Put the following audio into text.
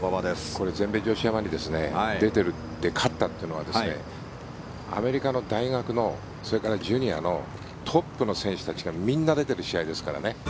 これ全米女子アマに出て、勝ったっていうのはアメリカの大学のジュニアのトップの選手たちがみんな出てる試合ですからね。